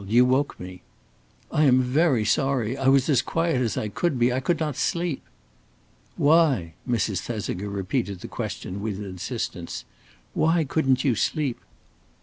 You woke me." "I am very sorry. I was as quiet as I could be. I could not sleep." "Why?" Mrs. Thesiger repeated the question with insistence. "Why couldn't you sleep?"